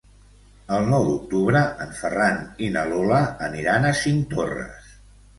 El nou d'octubre en Ferran i na Lola aniran a Cinctorres.